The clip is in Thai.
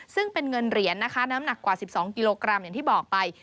ซึ่งเป็นเงินเหรียญนะคะน้ำหนักกว่า๑๒กิโลกรัมอย่างที่บอกไป